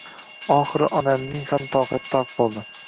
Oxiri onamning ham toqati toq bo‘ldi.